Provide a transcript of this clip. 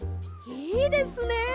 いいですね。